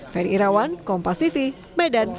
ferry irawan kompastv medan